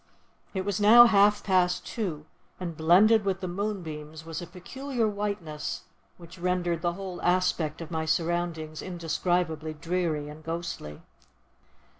It was now half past two, and blended with the moonbeams was a peculiar whiteness, which rendered the whole aspect of my surroundings indescribably dreary and ghostly.